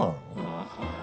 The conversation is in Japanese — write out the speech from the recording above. ああ。